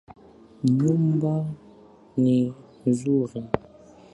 Nyumba ni nzuri